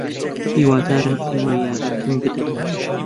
ھیوادارم ئێوە یارمەتیم بدەن.